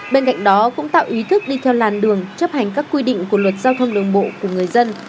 bên cạnh đó cũng tạo ý thức đi theo làn đường chấp hành các quy định của luật giao thông đường bộ của người dân